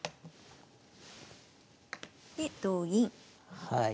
で同銀。